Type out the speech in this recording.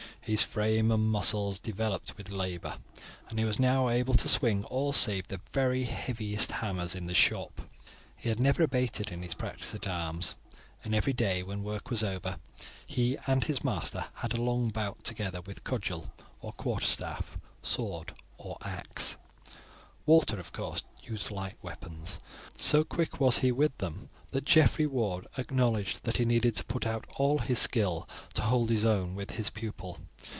His frame and muscles developed with labour, and he was now able to swing all save the very heaviest hammers in the shop. He had never abated in his practice at arms, and every day when work was over, he and his master had a long bout together with cudgel or quarterstaff, sword or axe; Walter of course used light weapons, but so quick was he with them that Geoffrey Ward acknowledged that he needed to put out all his skill to hold his own with his pupil.